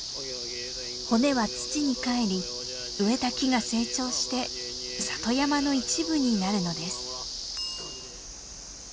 骨は土にかえり植えた木が成長して里山の一部になるのです。